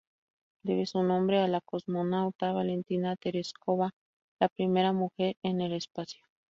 Debe su nombre a la cosmonauta Valentina Tereshkova, la primera mujer en el espacio.